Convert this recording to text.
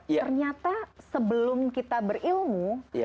ternyata sebelum kita berilmu